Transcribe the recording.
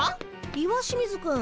石清水くん。